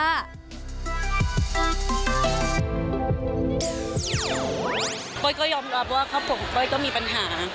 ก้อยก็ยอมรับว่าครอบครัวของเป้ยก็มีปัญหา